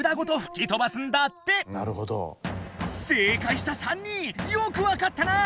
正解した３人よくわかったな！